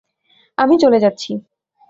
আমি চলে যাচ্ছি!